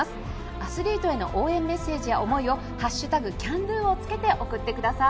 アスリートへの応援メッセージや思いを「＃ＣＡＮＤＯ」をつけて送ってください。